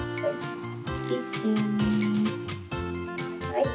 はい。